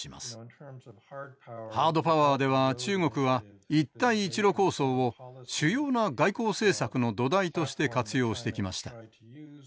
ハードパワーでは中国は一帯一路構想を主要な外交政策の土台として活用してきました。